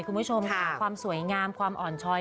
คุณผู้ชมค่ะความสวยงามความอ่อนชอย